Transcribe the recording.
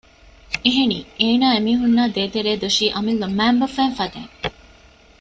އެހެނީ އޭނާ އެމީހުންނާ ދޭތެރޭ ދުށީ އަމިއްލަ މައިންބަފައިން ފަދައިން